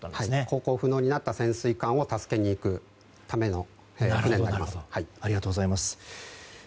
航行不能になった潜水艦を助けに行く船になります。